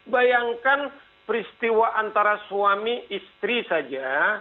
bayangkan peristiwa antara suami istri saja